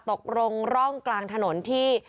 ตกลงร่องกลางถนนที่